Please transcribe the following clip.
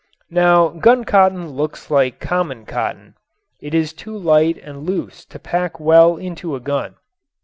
Now guncotton looks like common cotton. It is too light and loose to pack well into a gun.